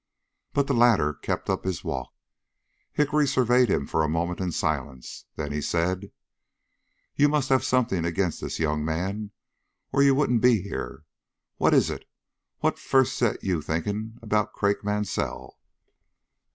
But the latter kept up his walk. Hickory surveyed him for a moment in silence, then he said: "You must have something against this young man, or you wouldn't be here. What is it? What first set you thinking about Craik Mansell?"